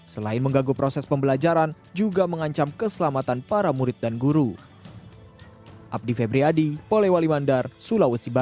selain mengganggu proses pembelajaran juga mengancam keselamatan para murid dan guru